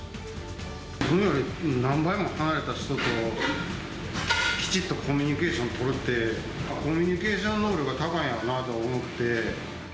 自分より何倍も離れた人と、きちっとコミュニケーション取れて、コミュニケーション能力は高いんやなと思って。